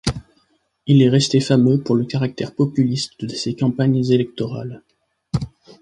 Il est resté fameux pour le caractère populiste de ses campagnes électorales.